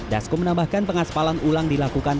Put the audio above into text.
dasko menambahkan pengaspalan ulang dilakukan